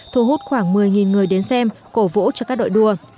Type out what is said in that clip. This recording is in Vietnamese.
thu hút khoảng một mươi người đến xem cổ vũ cho các đội đua